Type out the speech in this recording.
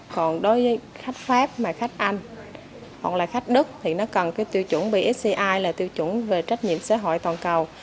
còn đối với khách pháp mà khách anh hoặc là khách đức thì nó cần cái tiêu chuẩn bị sci là tiêu chuẩn về trách nhiệm xã hội toàn cầu